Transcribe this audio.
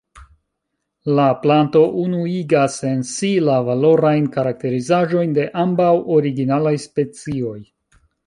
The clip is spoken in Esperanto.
La planto unuigas en si la valorajn karakterizaĵojn de ambaŭ originalaj specioj.